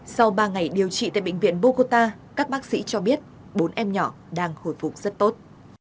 sau ba ngày điều trị tại bệnh viện bocota các bác sĩ cho biết bốn em nhỏ đang hồi phục rất tốt